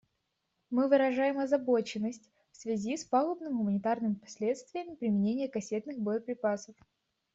Мы выражаем озабоченность в связи с пагубными гуманитарными последствиями применения кассетных боеприпасов.